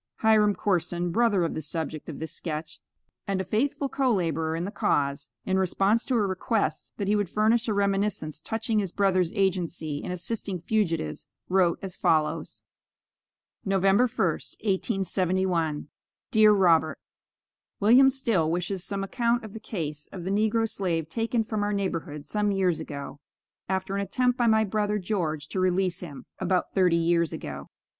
Hiram Corson, brother of the subject of this sketch, and a faithful co laborer in the cause, in response to a request that he would furnish a reminiscence touching his brother's agency in assisting fugitives, wrote as follows: November 1st, 1871. DEAR ROBERT: Wm. Still wishes some account of the case of the negro slave taken from our neighborhood some years ago, after an attempt by my brother George to release him. (About thirty years ago.)